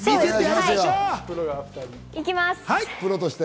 行きます！